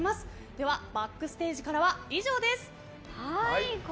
ではバックステージからは以上です。